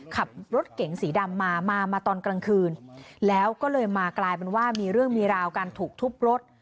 ขับรถเก๋งสีดำมามาตอนกลางคืนแล้วก็เลยมากลายเป็นว่ามีเรื่องมีราวการถูกทุบรถ